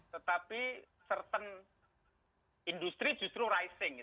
tetapi certain industry justru rising